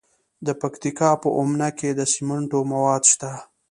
د پکتیکا په اومنه کې د سمنټو مواد شته.